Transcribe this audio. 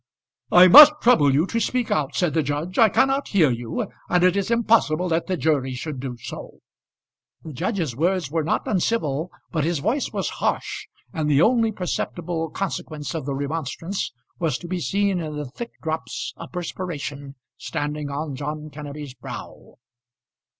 "I must trouble you to speak out," said the judge; "I cannot hear you, and it is impossible that the jury should do so." The judge's words were not uncivil, but his voice was harsh, and the only perceptible consequence of the remonstrance was to be seen in the thick drops of perspiration standing on John Kenneby's brow.